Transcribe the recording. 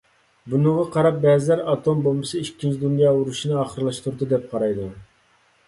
بۇنىڭغا قاراپ بەزىلەر «ئاتوم بومبىسى ئىككىنچى دۇنيا ئۇرۇشىنى ئاخىرلاشتۇردى» دەپ قارايدۇ.